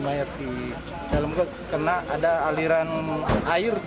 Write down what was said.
mayat di dalam god kena ada aliran air berbual sehingga ada berbentuk yang lebih banyak seperti ini